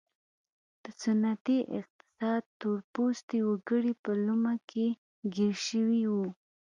د سنتي اقتصاد تور پوستي وګړي په لومه کې ګیر شوي وو.